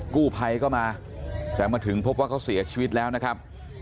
กู้ภัยก็มาแต่มาถึงพบว่าเขาเสียชีวิตแล้วนะครับ